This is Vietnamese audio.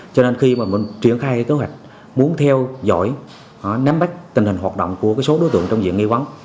cho nên khi mà mình triển khai kế hoạch muốn theo dõi nắm bắt tình hình hoạt động của số đối tượng trong diện nghi vấn